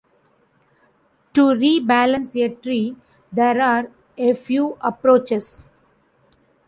To re-balance a tree, there are a few approaches.